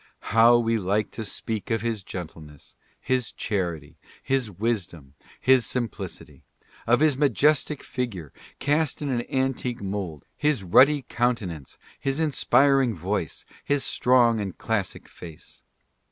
How we like to speak of his gentleness, his charity, his wisdom, his simplicity !— of his majestic figure, cast in an an tique mould, his ruddy countenance, his inspiring voice, his strong and classic face